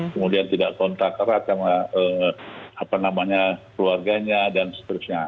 kemudian tidak kontak erat sama keluarganya dan seterusnya